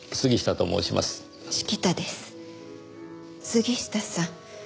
杉下さん